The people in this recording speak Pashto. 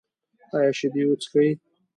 ایا شیدې څښئ؟